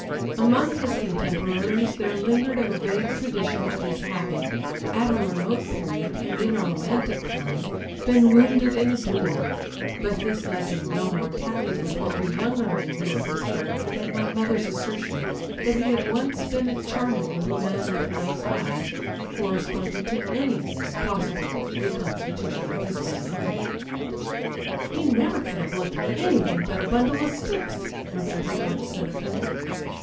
Among his contemporaries there lingered a vague tradition of his having, at a remote period, and in a romantic clime, been wounded in a duel; but this l^end no more taUied with what we younger men knew of ! his character than my mother's assertion that he had / once been "a charming little man with nic e eyes " cor responded to any possible reconstitution of his physi ognomy. "He never can have looked like anything but a bundle of sticks," Murchard had once said of him.